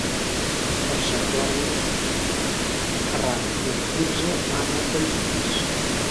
Per Sant Jordi en Ferran i en Quirze van a Campins.